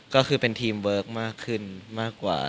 ก็คือเป็นทีมเวิร์คมากขึ้นมากกว่า